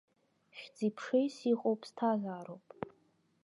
Хьӡи-ԥшеис иҟоу ԥсҭазаароуп!